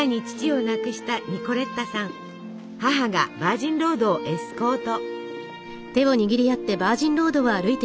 母がバージンロードをエスコート。